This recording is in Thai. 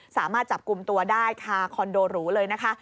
สามารถจับกลุ่มตัวได้คาคอนโดหรูเลยนะคะ